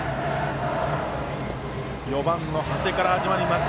４番の長谷から始まります。